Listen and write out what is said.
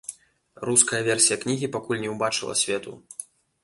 Руская версія кнігі пакуль не ўбачыла свету.